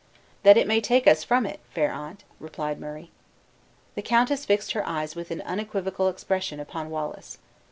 "That it may take us from it, fair aunt," replied Murray. The countess fixed her eyes with an unequivocal expression upon Wallace.